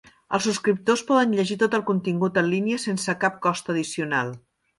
Els subscriptors poden llegir tot el contingut en línia sense cap cost addicional.